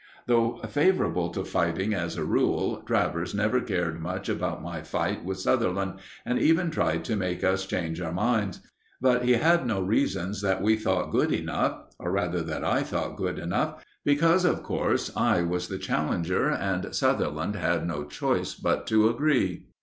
Though favourable to fighting as a rule, Travers never cared much about my fight with Sutherland and even tried to make us change our minds. But he had no reasons that we thought good enough, or rather, that I thought good enough; because of course I was the challenger and Sutherland had no choice but to agree.